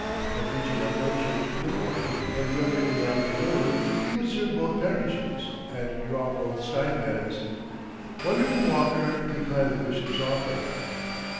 By preaching at one church in the morning, and the other in the afternoon, he could serve both parishes, and draw both stipends. Wonderful Walker declined the bishop's offer.